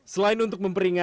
selain untuk memperingatkan